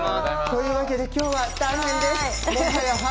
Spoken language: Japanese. というわけで今日は大変です。